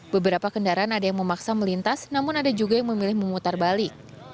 beberapa kendaraan ada yang memaksa melintas namun ada juga yang memilih memutar balik